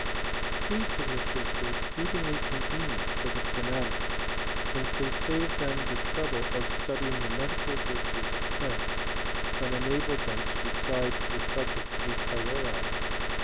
. These signatures were exceedingly coavenieBt the fanatics^ since thev saved ^m the tzovhle studying the medical virtues of plants, but themtodecide the sulnect «^ priori.